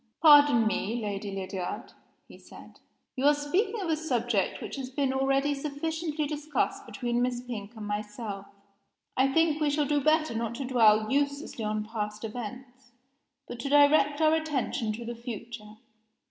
"Pardon me, Lady Lydiard," he said, "you are speaking of a subject which has been already sufficiently discussed between Miss Pink and myself. I think we shall do better not to dwell uselessly on past events, but to direct our attention to the future.